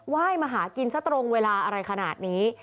ว่ายมาหากินซะตรงเวลาอะไรขนาดนี้